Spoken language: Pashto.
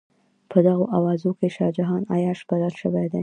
په دغو اوازو کې شاه جهان عیاش بلل شوی دی.